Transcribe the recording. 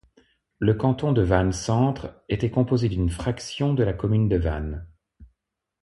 Le canton de Vannes-Centre était composé d’une fraction de la commune de Vannes.